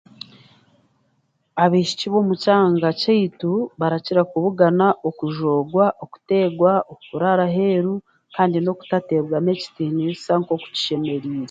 Abaishiki b'omu kyanga kyeitu barakira kubugana okujoogwa, okuteerwa, okuraara aheru kandi n'okutatebwamu ekitinisa nk'oku kishemereire.